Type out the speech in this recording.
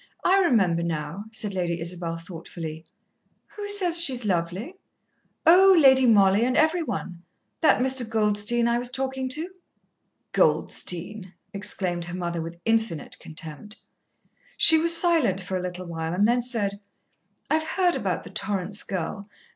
I remember now," said Lady Isabel thoughtfully. "Who says she is lovely?" "Oh, Lady Mollie and every one. That Mr. Goldstein I was talking to." "Goldstein!" exclaimed her mother with infinite contempt. She was silent for a little while and then said, "I've heard about the Torrance girl.